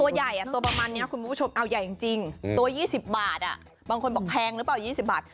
ตัวใหญ่ตัวประมาณนี้คุณผู้ชมเอาใหญ่จริงตัว๒๐บาทบางคนบอกแพงหรือเปล่า๒๐บาท